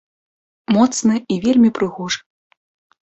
Моцны і вельмі прыгожы.